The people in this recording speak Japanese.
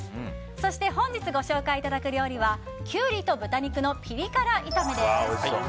そして本日ご紹介いただく料理はキュウリと豚肉のピリ辛炒めです。